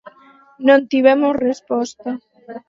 Non tivemos resposta.